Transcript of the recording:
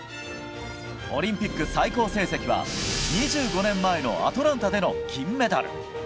オリンピック最高成績は２５年前のアトランタでの銀メダル。